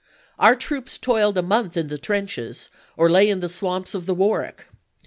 .. Our troops toiled a month in the trenches, or lay in the swamps of the Warwick.